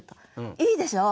いいでしょう？